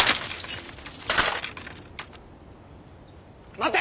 待て！